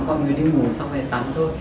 và người đi ngủ sau này tắm thôi